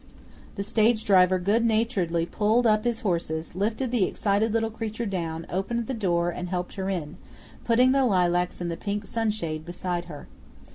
The stage driver good naturedly pulled up his horses, lifted the excited little creature down, opened the door, and helped her in, putting the lilacs and the pink sunshade beside her.